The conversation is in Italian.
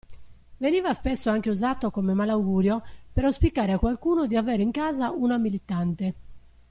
Veniva spesso anche usato come malaugurio per auspicare a qualcuno di avere in casa una militante.